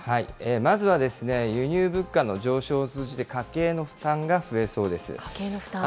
まずはですね、輸入物価の上昇を通じて、家計の負担が増えそ家計の負担。